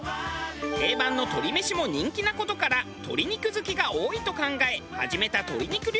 定番の鶏めしも人気な事から鶏肉好きが多いと考え始めた鶏肉料理が大ヒット。